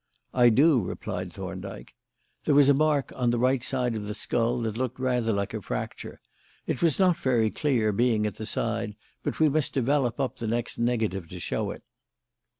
"I do," replied Thorndyke. "There was a mark on the right side of the skull that looked rather like a fracture. It was not very clear, being at the side, but we must develop up the next negative to show it."